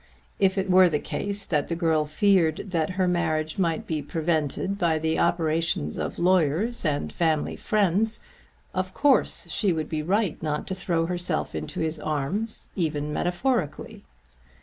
If it were the case that the girl feared that her marriage might be prevented by the operations of lawyers and family friends, of course she would be right not to throw herself into his arms, even metaphorically.